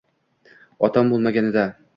Otam bo'lmaganida: